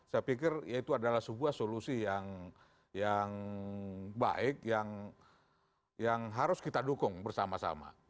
saya pikir ya itu adalah sebuah solusi yang baik yang harus kita dukung bersama sama